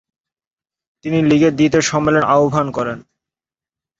তিনি লীগের দ্বিতীয় সম্মেলন আহ্বান করেন।